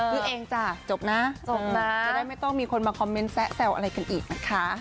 ซื้อเองจ้ะจบนะส่งมาจะได้ไม่ต้องมีคนมาคอมเมนต์แซะแซวอะไรกันอีกนะคะ